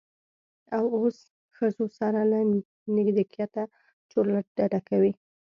او اوس ښځو سره له نږدیکته چورلټ ډډه کوي.